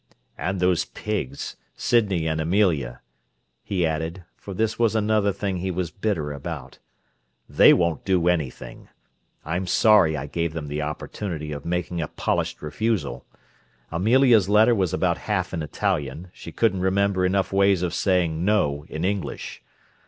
"And those pigs, Sydney and Amelia!" he added, for this was another thing he was bitter about. "They won't do anything. I'm sorry I gave them the opportunity of making a polished refusal. Amelia's letter was about half in Italian; she couldn't remember enough ways of saying no in English.